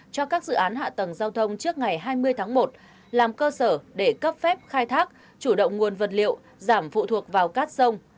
cho các dự án hạ tầng giao thông trước ngày hai mươi tháng một làm cơ sở để cấp phép khai thác chủ động nguồn vật liệu giảm phụ thuộc vào cát sông